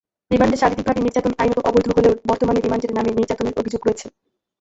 রিমান্ডে শারীরিকভাবে নির্যাতন আইনত অবৈধ হলেও বর্তমানে রিমান্ডের নামে নির্যাতনের অভিযোগ রয়েছে।